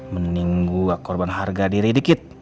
mending gua korban harga diri dikit